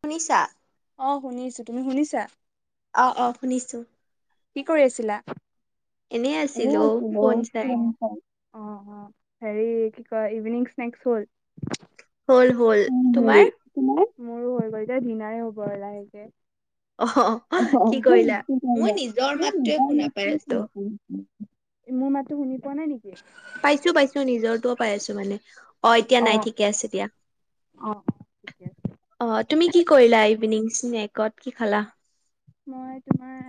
শুনিছা অ শুনিছো তুমি শুনিছা অ অ শুনিছোঁ কি কৰি আছিলা এনেই আছিলো ফোন চাই অ অ হেৰি কি কয় ইভিনিং স্নেকচ হ'ল হ'ল হ'ল উম হল তোমাৰ তোমাৰ? মোৰো হৈ গল এতিয়া দিনাৰে হ'ব আৰু লাহেকে অ অ কি শ কৰিলা কি মই কৰিলা নিজৰ মোৰ মাতটোৱে শুনা পাই আছো মাততো শুনি পোৱা নাই নেকি পাইছো পাইছো নিজৰটোও পাই আছো মানে অ এতিয়া নাই ঠিকে আছে দিয়া অ। ঠিকে আছে। অ তুমি কি কৰিলা ইভিনিং বেৰেকত কি খালা মই তোমাৰ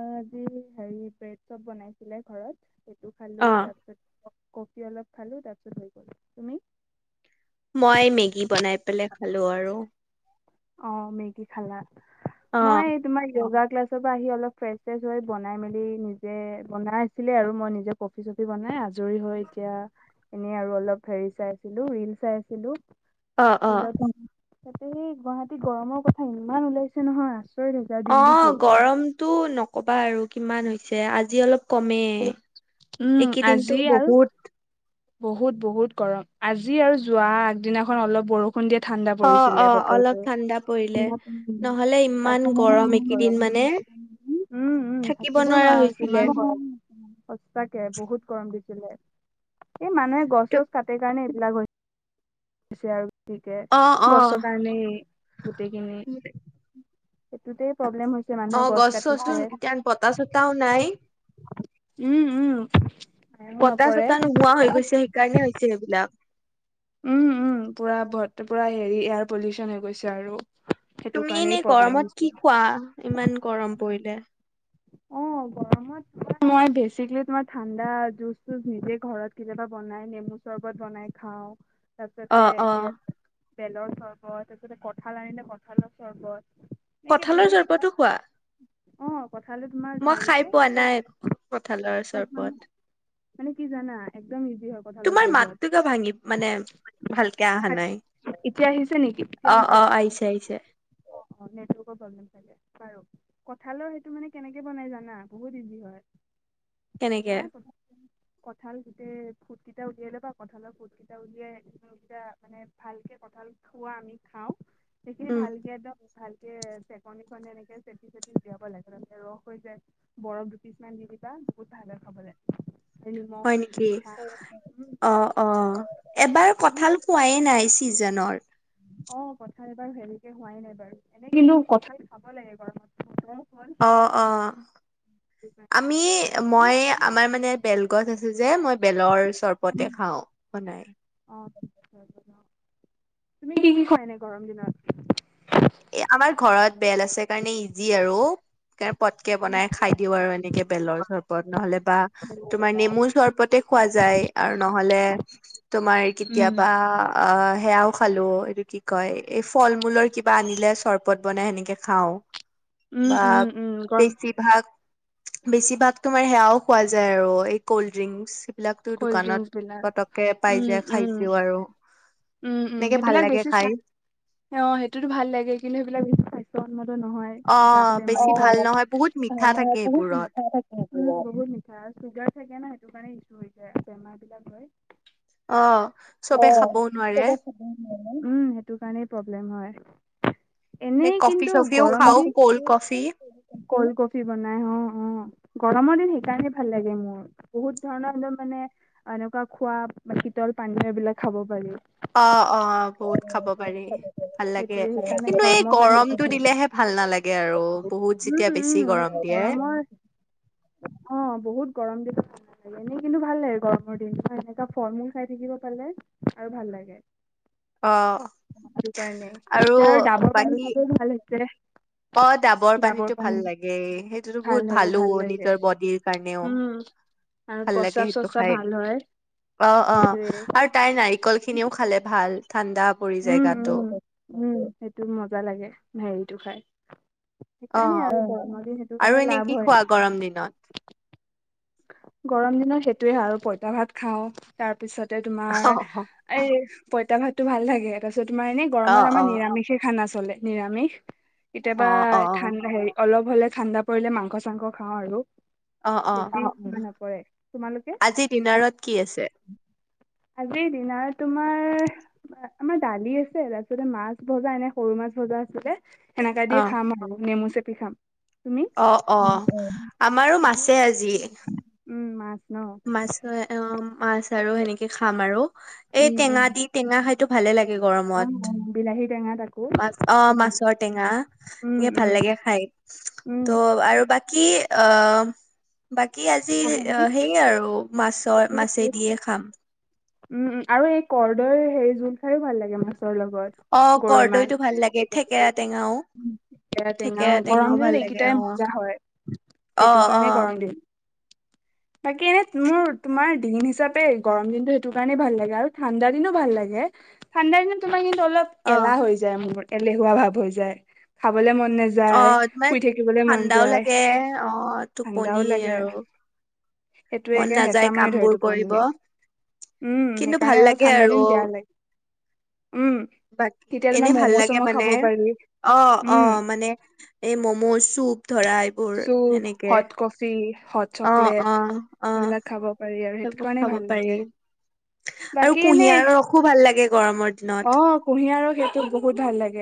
আজি হেৰি ব্ৰেড চব বনাইছিলে ঘৰত টো খালো অ তাৰপিছত কফি অলপ খালোঁ তাৰপিছত হৈ গল তুমি মই মেগী বনাই পেলাই খালোঁ আৰু অ মেগী খালা অ মই তোমাৰ য়োগা ক্লাছৰ পৰা আহি অলপ ফ্ৰেচ ফ্ৰেছ হৈ বনাই মেলি নিজে বনাই আছিলে আৰু মই নিজে কফি চফি বনাই আজ জৰি হয় এতিয়া এনে আৰু অলপ হেৰি চাইছিলোঁ ৰিল চাই আছিলোঁ অ অ পিল তাতে সেই গুৱাহাটীত গৰমৰ কথা ইমান ওলাইছে নহয় আচৰিত হৈছে আৰু অ দিল্লীতো গৰমতটো নকবা আৰু কিমান হৈছে পিছে আজি অলপ কমে উম আজি এইকেইদিনটো আৰু বহুত বহুত বহুত গৰম আজি আৰু যোৱা আগদিনাখন অলপ বৰষুণ খুন্দিয়া ঠাণ্ডা অ', পৰিছিলে অ', বতৰটো অলপ ঠাণ্ডা পৰিলে। উম নহ'লে ইমান গৰম এইকেইদিন মানে উম থাকিব থাকিবই নোৱাৰা হৈ হৈছে হৈছিলে। ইমান সচাকে বহুত গৰম দিছে। চিলে। এই মানুহে গছ ত গছ কাটে কাৰণে। বিলাক হৈছে আৰু। গতিকে অ', অ', গছৰ কাৰণেই গোটেইখিনি সেইটোতে প্ৰব্লেম হৈছে মানুহে অ', গছ চছো কাটিছে এতিয়া বতাহ চতাহও নাই। উম উম বতাহ নপৰে। চতাহ নোহোৱা হৈ গৈছে সেইকাৰণে হৈছে সেইবিলাক। উম উম পুৰা পুৰা হেৰি এয়াৰ পলিউচন হৈ গৈছে আৰু। সেইটো তুমি কাৰণেই এনেই প্ৰব্লেম গৰমত হৈছে কি খোৱা ইমান গৰম পৰিলে। অ গৰমত মই বেচিকেলী তোমাৰ ঠাণ্ডা জুচ চুচ নিজে ঘৰত কেতিয়াবা বনাই নেমু চৰ্বত বনাই খাওঁ। অ', অ', তাৰপাছতে। বেলৰ চৰ্বত তাৰপিছতে কঁঠাল আনিলে কঁঠালৰ চৰ্বত। এনেকে ধেৰ কঁঠালৰ কিবা চৰ্বতো খোৱা। অ। তোমাৰ মই খাই ভালকে পোৱা নাই কঁঠালৰ চৰবত। মানে কি জানা একদম ইজি হয় কাল তোমাৰ চৰ্বত মাতটো কিয় ভাঙি মানে ভালকে অহা নাই। এতিয়া আহিছে নেকি এতিয়া অ', আহিছে্। অ', আহিছে আহিছে। কথালৈ। ইটো মানে কেনেকে বনাই জানা বহুত ইজি হয়। কেনেকে? ভাই প। কঁঠাল গোটেই ফুট কেইটা উলিয়াই লবা কঁঠালৰ ফুট কেইটা উলিয়াইকেইটা মানে ভালকে কঠাল খোৱা আমি খাওঁ। সেইখিনি উম, ভালকে দ। ভালকে চেকনিখননে এনেকে চেটি চেট উিয়াব লাগে। ৰস হৈ যায় বৰফ দু পিছমান দি কিবা বহুত ভাল হয় খাবলে। নিমখ হয় নেকি পিঠা উম অ অ ভাল এবাৰ তুমি কি কঠাল কোৱাই নাই চিজনৰ? অ কঁঠাল বাৰ হেৰিকে হোৱাই নাই বাৰু এনে কিন্তু কঁঠাল খাব লাগে গৰমত হম। অ অ আমি তুমি কত আছিল? যে মই বেলৰ চৰবতে খাওঁ বনাই। অ তুমি কি কি খুৱাই নাই গৰম দিনত? স কাৰণে ইজি আৰু। পটকে উম বনাই খাই দিও আৰু এনেকে বেলৰ চৰবত নহলে বা হেল্ল' তোমাৰ নেমু চৰবতে খোৱা যায় নহলে তোমাৰ উম কেতিয়াবা আহ সেয়াও। খালো এইটো কি কয় এই ফল মূলৰ কিব। বা আনিলে চৰবত বনাই সেনেকে খাওঁ। উম বা উম উম গৰম বেছিভাগ। বেছি ভাগ তোমাৰ সেয়াও খোৱা যায় আৰু এই কল্ড ড্ৰিংক। কল্ৰিং বিলাক উ যায় উ উম খাইছো আৰু উম এনেকে ভাল সেইবিলাক লাগে বেছি খাই চাই অ সেইটোতো ভাল লাগে। কিন্ত সবাক স্বাস্থ্যন্ত। নহয় অ বেছি ভাল নহয় বহুত মিঠা বেমাৰহ থাকে সেইবোৰত বহুত মিঠা চুগাৰ থাকে ন। দোকান আহিছোঁ অই বেমাৰ বিলাক অ হয় অ চবে খাবও নোৱাৰে উম সেইটো কাৰণে প্ৰব্লেম হয় নে এনেই কফি কিন্তু চফিও গৰম খাও কল্ড কফি দিনত কল্ড কফি বনাই অ অ গৰমৰ দিন সেইকাৰণেই ভাল লাগে মোৰ বহুত ধৰণৰ মম মানে এনেকুৱা খোৱা শীতল পানীয় এইবিলাক খাব পাৰি অ অ বহুত খাব পাৰি ভাল লাগে সেইটোৱে সেইকাৰণে কিন্তু এই গৰমৰ কাৰণে সেইটো গৰমটো ভাল লাগে। দিলেহে ভাল নালাগে আৰু বহুত উম, যেতিয়া বেছি উম, গৰম সেইটো দিয়ে গৰমৰ অ', বহুত গৰম দিন এনেই কিন্তু ভাল লাগে গৰমৰ দিন এনেকুৱা ফল মূল খাই থাকিব পালে আৰু ভাল লাগে অ সেইটো কাৰণে আৰু এতিয়া ডাবৰ পানী বাকী চব ভাল হৈছে অ ডাবৰ পানীতটো ভাল লাগে সেইটোতো ভাল বহুত লাগে ভালো ভাল লাগে নিজৰ বডিৰ কাৰণেও উম আৰু ভাল লাগে প্ৰস্ৰাৱ সেইটো চস্ৰাৱ খাই ভাল হয় অ অ সেইটোয়ে আৰু তাইৰ নাৰিকল খিনিও খালে ভাল ঠাণ্ডা পৰি জেগাতো সেইটো মজা লাগে হেৰিটো খাই অ সেইকাৰণে আৰু গৰমৰ দিন সেইটো আৰু কাৰণে এনে লাভ কি হয় খোৱা গৰম দিনত গৰম দিনত সেইটোয়ে আৰু পঁইতা ভাত খাওঁ তাৰ তাৰপিছতে তোমাৰ অ এই পইতা ভাত তো ভাল লাগে এ তোমাৰ এনে অ গৰমত আমাৰ অ নিৰামিষ খানাছ চলে নিৰামিষ অ কেতিয়াবা অ ঠাণ্ডা হেৰি অলপ হলে ঠাণ্ডা পৰিলে মাংস চাংস খাওঁ আৰু অ অ ন পৰে আজি দিনাৰত কি আছে আজিৰ দিনাৰ তোমাৰ আমাৰ দালি আছে তাৰিছতে মাছ ভজা এনে সৰু মাছ ভজা আচতে সেনেকা অ দিয়ে খাম আৰু নেমু চে কি খাম তুমি অ অ উম উম। আমাৰো মাছে আজি উম মাছ ন মাছ অ মাছ আৰু সেনেকে খাম আৰু এই উম উম টেঙা দি টেঙা হয় এইটো ভালে লাগে এই অ গৰমত অ', বিলাহী টেঙা তাকো মাছ অ সেইটো ভাল মাছৰ লাগে টেঙা উম এনে ভাল উম লাগে খাই ত' উম আৰু বাকী অ বাকী আজি হেৰি এ আৰু মাছৰ মাছে দিয়ে খাম উমম আৰু এই কদৈৰ হেৰি জোল খাই ভাল লাগে মাছ লগত অ গৰৈ কৰদৈতটো ভাল লাগে থেকেৰা টেঙাও টেঙা থেকেৰা গৰম টেঙাও দিনত ভাল লাগে এইকেইটাই অ মজা হয় অ সেইটো অ কাৰণে গৰম দিন বাকী এনে মোৰ তোমাৰ দিন হিচাপে গৰম দিনটো টো কাৰণে ভাল লাগে আৰু ঠাণ্ডা দিনো ভাল লাগে ঠাণ্ডা দিনত তোমাৰ অলপ অ' এলাহ হৈ যায় মোৰ তেলেহুৱা ভাৱ হৈ যায় খাব অ তাৰ মন ঠাণ্ডাও যায়, লাগে অ ঠাণ্ডাও টোপনি লাগে। আৰু সেইটোৱে মন একে হেঁচা নাযায় মাৰি কাম ধৰে বোৰ কৰিব টোপনিয়ে। উম কিন্তু ভাল সেইকাৰণে অলপ লাগে ঠাণ্ডা আৰু দিন বেয়া লাগে উম, বাকী তেতিয়া এনে তোমাৰ ভাল ম'ম' লাগে চম' মানে খাব পাৰি। অ অ উম, মানে এই ম ম চুপ ধৰা এইবোৰ চুপ, সেনেকে হট কফি, হট অ' চকলেট অ' অ' সেইবিলাক খাব পাৰি আৰু সেইটো সেইবোৰ কাৰণে খাব ভাল লাগে পাৰি আৰু বাকী এনে কুঁহিয়াৰ ৰস ভাল লাগে গৰমৰ অ দিনত কুঁহিয়াৰৰ সেইটো বহুত ভাল লাগে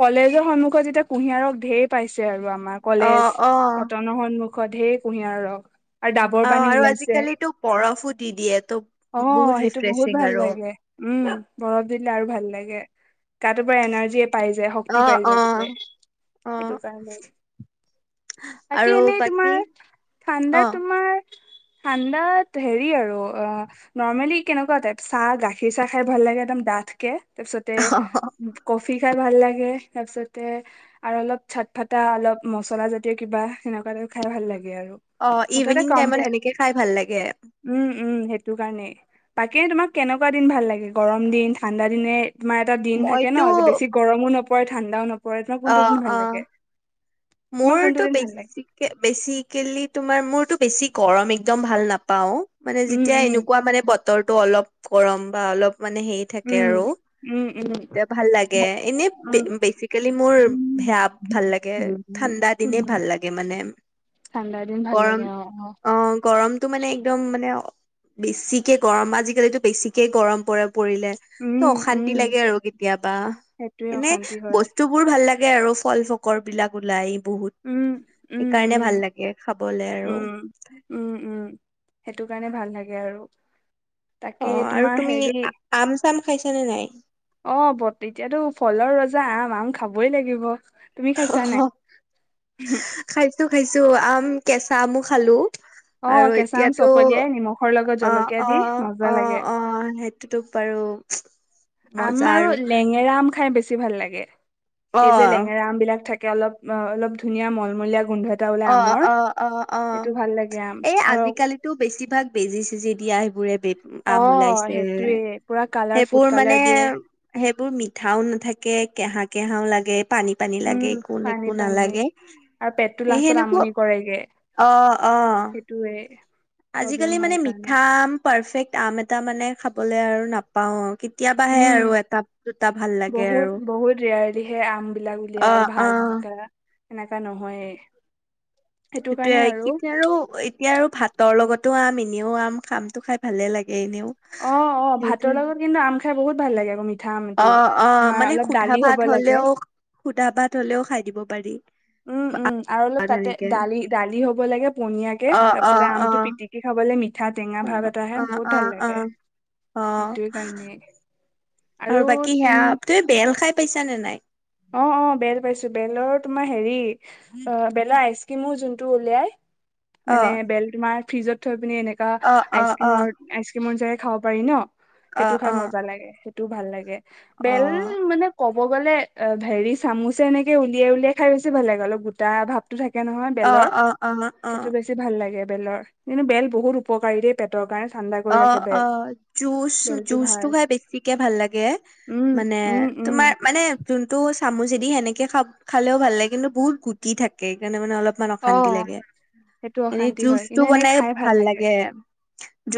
কলেজৰ সন্মুখত যেতিয়া কুঁহিয়া ৰস ঢেৰ পাইছে আৰু আমাৰ আমাৰ অ কলেজ অ কটনৰ সন্মো মুখ ঢেৰ কুঁহিয়াৰ ৰস আৰু ডাবৰ অ পানী আৰু ওলাইছে আজিকালিটো বৰফো দি দিয়ে তো অ বহুত ৰিফ্ৰেছিং আৰু ম দিলে আৰু ভাল লাগে গাটো পৰা এনাৰ্জি এ পাই যায় শক্তি অ পাই অ যায় অ সেইটো কাৰণে বাকী আৰু এনেই তোমাৰ বাকী অ ঠাণ্ডাত তোমাৰ ঠাণ্ডাত হেৰি আৰু অ নৰ্মেলি কেনেকুৱা টাইপ চাহ গাখীৰ চাহ খাই ভাল লাগে একডম ডা তাকে তাৰপিছতে কফি খাই ভাল লাগে তাৰ পিছতে আৰু অলপ চাট ফটা অলপ মচলা জাতীয় কিবা সেনেকুৱা খাই ভাল লাগে অ মুঠতে ইভিনিং টাইমত কমপেযাৰ সেনেকে খাই ভাল লাগে উম উম সেইটো কাৰণেই বাকী তোমাক কেনেকুৱা দিন ভাল লাগে গৰম দিন ঠাণ্ডা দিনে তোমাৰ এটা দিন থাকে মইতো ন যে বেছি গৰমো নপৰে ঠাণ্ডাও নপৰে গৰম অ কোনটো দিন অ ভাল লাগে তোমাৰ কোনটো মোৰতো দিন বে ভাল লাগে বেচিকেলি তোমাৰ মোৰ বেছি গৰম একদম ভাল নাপাও মানে উম যেতিয়া উম এনেকুৱা মানে ব বতৰটো অলপ গৰম বা অলপ মানে হেৰি থাকে উম আৰু উম উম এয়া ভাল লাগে এনেই উম বেচিকেলি মোৰ উম, সেয়া ভাল লাগে উম, ঠাণ্ডা উম। দিনে ভাল লাগে মানে ঠাণ্ডা দিন ভাল গৰম লাগে অ অ গৰমতটো মানে একদম মানে বেছিকে গৰম আজিকালিতো বেছিকে গৰম পৰে পৰিলে ত উম উম অশান্তি লাগে আৰু কেতিয়াবা সেইটোৱে এনে অশান্তি হয় বস্তু বোৰ ভাল ভাল লাগে আৰু ফল ফকৰ বিলাক ওলাই বহুত উম উম সেইকাৰণে উম ভাল লাগে খাবলে আৰু উম উম উম সেইটো কাৰণে ভাল লাগে আৰু তাকে অ আৰু তোমাৰ তুমি হেৰি আম ফল খাইছা নে নাই? অ' ব এতিয়াতো ফলৰ ৰজা আম-আম খাবই লাগিব। তুমি খাইছা নাই অ' খাইছো। খাইছো আম কেঁচা আমো খালো। অ আৰু কেঁচা আম এতিয়াতো চকলিয়াই নিমখৰ লগত জলকীয়া দি মজা লাগে অ-অ-অ-অ সেইটোতো বাৰু। হয় [unintelligible] আম আৰু লেঙেৰা আম খাই বেছি বেছি ভাল লাগে। অ এই যে লেঙেৰা আম বিলাক থাকে। অলপ-অলপ ধুনীয়া মলমলীয়া গোন্ধ এটা ওলাই আমৰ অ-অ-অ-অ, সেইটো ভাল লাগে আম এই আৰু আজিকালিতো বেছিভাগ বেজি-চেজি দিয়া সেইবোৰ আম অ' ওলাইছে সেইটোৱে পুৰা কালাৰ ফুড সেইবোৰ মানে কালাৰ দিয়ে সেই এইবোৰ মিঠাও নাথাকে কেহা-কেহাও লাগে। পানী-পানী লাগে উম পানী একো-একো পানী নালাগে। আৰু পেটটো লাষ্টত তেনেকুৱা আমনি অ-অ, সেয় আজি-কালি মানে মিঠা আম পেৰফেক আম এটা মানে খাব বলে আৰু নাপাও আও। উম আৰু বহুত বহুত ৰেয়িহে আমবিলাক অ উলিয়াই আৰু অ ভাল মেকা। এনেকা নহয়েই। সেইটো য়েতিয়া আৰু এতিয়া আৰু ভাতৰ লগত। তো আম এনেও আম খামটো খাই ভালে লাগে। এনেও অ অ ভাতৰ সেইটোয়ে লগত কিন্তু আম। বহুত ভাল লাগে। মিঠা আমটো অ অ তোমাৰ মানে অলপ সুদা দালি ভাত হ'ব লাগে হলেও। সুদা ভাত হ'লেও খাই দিব পাৰি। উম উম আৰু অলপ তাতে তেনেকে দালি দালি হ'ব। দিব লাগে। পনিয়াকে অ তাৰ অ পিছতে অ আমটো পিটিকি খাবলে মিঠা টেঙা অ ভাৱ এটা আহে অ বহুত অ ভাল অ লাগে অ সেইটো কাৰণে আৰু তুমি। পাইচা নে নাই। অ অ বেল পাইছোঁ বেলৰ তোমাৰ হেৰি অ বেলৰ আইচ কিমো যোনটো উলিয়াই। অ মানে বেলটো তোমাৰ ফিজত থৈ আ এনেকা অ অ আইচ অ আইচমৰ যে খাব পাৰি ন। অ সেইটো অ খাই মজা লাগে সেই। তো ভাল লাগে। অ বেল মানে কম। মই গ'লে অ হেৰি চামুচে এনেকে উলিয়াই উলিয়াই খাই বেছি ভাল লাগে অলপ গোটা ভাপ থাকে নহয় অ অ বেলৰ অ অ সেইটো বেছি ভাল লাগে। বেলৰ কিন্তু বেল বহুত উপকাৰী দেই পেটৰ কাৰণে। ঠাণ্ডা অ কৰি ৰাখে অ বেল জুচ বেলটো জুচটো ভাল খাই বেছিকে ভাল লাগে উম মানে উম উম তোমাৰ মানে যোনটো চামুচেদি সেনেকে খা খালেও ভাল লাগে কিন্তু বহুত গুটি থাকে সেই কাৰণে। মানে অলপমান অশান্তি অ লাগে সেইটো এনেই অশান্তি হয় জুচটো কিন্তু এনেই বনাই খাই ভাল লাগে।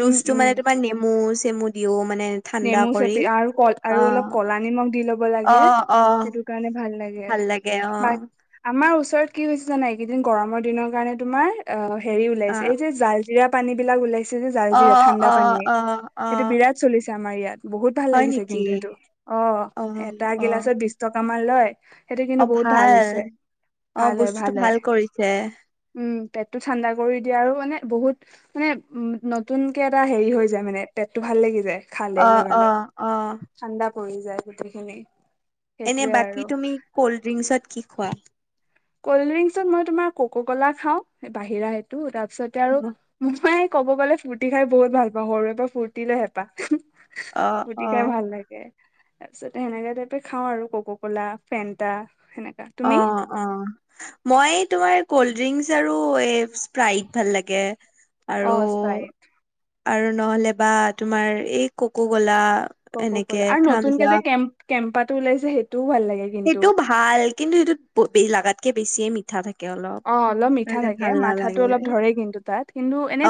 উম মে উম মানে তোমাৰ নেমু। গোল নেমু চেমু দিও মানে ঠাণ্ডা নেমু কৰি চেপি আৰু অ আৰু অলপ ক'লা নিমখ দি ল'। দিব অ লাগে অ সেইটো কাৰণে ভাল। ভাল লাগে আমাৰ ওচ কি এই গৰমৰ কাৰণে তোমাৰ অ হেৰি অ ওলাইছে এই যে জাল। জিৰা পানী বিলাক ওলাইছে। যে অ জালজি ঠাণ্ডা অ পানীয়ে অ অ সেইটো বিৰাট চলিছে। আমাৰ ইয়াত। বহুত ভাল হয় লাগিছে নেকি কিন্তু সেইটো অ এটা অ গিলাচত বিশ টকা। আমা লয়। সেইটো কিন্তু বহুত ভাল হৈছে, অ ভাল হয় বস্তুটো ভাল হয়, কৰিছে উম, পেটটো ঠাণ্ডা কৰি দিয়ে আৰু মানে বহুত। মানে নতুনকে এটা হেৰি হৈ যায় মানে পেটটো ভাল লাগি যায়। অ অ অ। কৰি যায় গোটেইখিনি। এনে সেইটোয়ে বাকী আৰু তুমি কল্ড ড্ৰিংকচত কি খোৱা। কল্ড ড্ৰিংকত মই তোমাৰ কক' ক'লা খাওঁ বাহিৰা সেইটো তাৰ। তাৰপিছতে আৰু মোক মায়। ক'ব গ'লে ফূৰ্তি খাই বহুত ভাল পাওঁ, সৰুৰে পৰা ফুৰ্তিলে হেঁপাহ। অ অ ফুটি খাই ভাল লাগে। তাৰ পিছতে সেনেকা টাইপে খাওঁ আৰু কক' ক'লা ফেণ্টা। সেনেকা অ তুমি। অ মই তোমাৰ কল ড্ৰিংকচ আৰু এ স্পাইত ভাল লাগে। অ আৰু স্পাইত। আৰু নহ'লে বা তোমাৰ এই ককু কলা। ক ক কলা আৰু নতুনকে যে কেম্প কেম্পাত। ওাইছেেইটো সেইটো ভাল কিন্তু সেইটোত বেছি লাগাত। কে বেছিয়ে মিঠা থাকে। অলপ। অ অলপ মিঠা কাৰণে থাকে ভাল মাথাটো নালাগে অলপ ধৰে, কিন্তু তাত কিন্তু এনে অ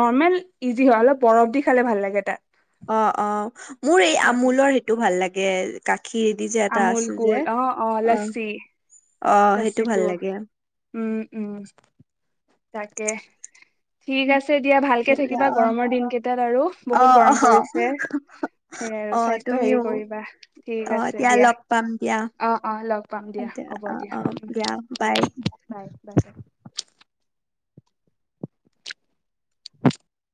নৰ্মেল ইজি হয় অলপ বৰফ দি। খালে ভাল লাগে তাত। অ অ মোৰ এই তাতে আমোলৰ সেইটো ভাল লাগে। গাখীৰেদি যে এটা আমুল আছে যে কুল অ অ লসছি। অ সেইটো ভাল বছটোো লাগে উম উম ত। তে ঠিক আছে দিয়া ভালকে অ থাকিবা গৰমৰ দিন কেইটাত আৰু, অ বহুত গৰম পৰিছে সেয়ে অ আৰু অ স্বাস্থ্য হেৰি তুমিও কৰিবা ঠিক অ আছে দিয়া, লগ পাম দিয়া অ অ লগ পাম অ দিয়া হ'ব অ দিয়া। অ দিয়া বাই বাই বাই বাই। [unintelligible]